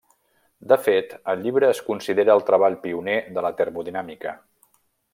De fet, el llibre es considera el treball pioner de la termodinàmica.